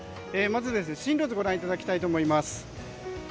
まず、進路図をご覧いただきたいと思います。